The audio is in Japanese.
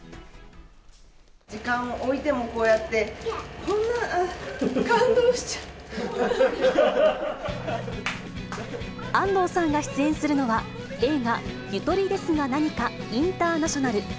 時間をおいても、こうやって、安藤さんが出演するのは、映画、ゆとりですがなにかインターナショナル。